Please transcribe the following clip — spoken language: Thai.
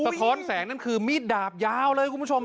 ท้อนแสงนั่นคือมีดดาบยาวเลยคุณผู้ชม